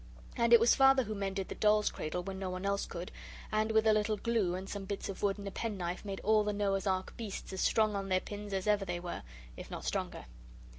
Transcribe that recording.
And it was Father who mended the doll's cradle when no one else could; and with a little glue and some bits of wood and a pen knife made all the Noah's Ark beasts as strong on their pins as ever they were, if not stronger.